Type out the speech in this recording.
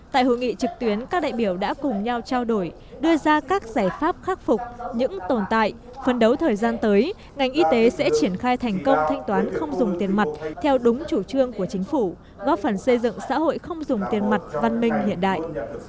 tại hội nghị trực tuyến các đại biểu đã cùng nhau trao đổi đưa ra các giải pháp khắc phục những tồn tại phân đấu thời gian tới ngành y tế sẽ triển khai thành công thanh toán không dùng tiền mặt theo đúng chủ trương của chính phủ góp phần xây dựng xã hội không dùng tiền mặt văn minh hiện đại